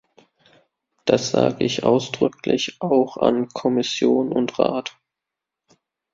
Das sage ich ausdrücklich auch an Kommission und Rat.